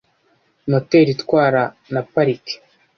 Moteri itwarwa na parike.